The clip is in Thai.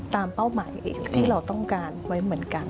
เป้าหมายเองที่เราต้องการไว้เหมือนกัน